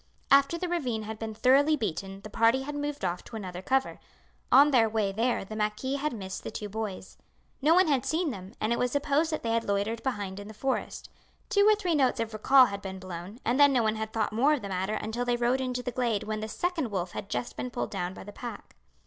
After the ravine had been thoroughly beaten the party had moved off to another cover. On their way there the marquis had missed the two boys. No one had seen them, and it was supposed that they had loitered behind in the forest. Two or three notes of recall had been blown, and then no one had thought more of the matter until they rode into the glade when the second wolf had just been pulled down by the pack.